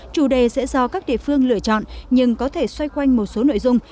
chủ đề sẽ do các địa phương lựa chọn nhưng có thể xoay quanh một số nội dung